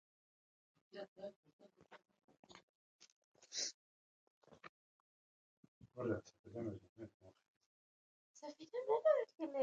ازادي راډیو د کلتور په اړه د حکومتي ستراتیژۍ ارزونه کړې.